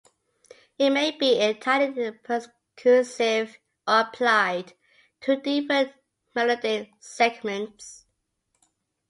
It may be entirely percussive or applied to different melodic segments.